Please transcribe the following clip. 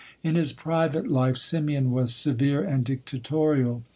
In his private life, Simeon was severe and dictatorial.